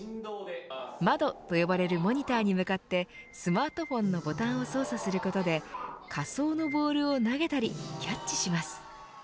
窓と呼ばれるモニターに向かってスマートフォンのボタンを操作することで仮想のボールを投げたりキャッチします。